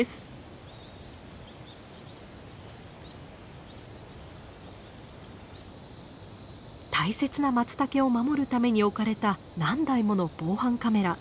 大切なマツタケを守るために置かれた何台もの防犯カメラ。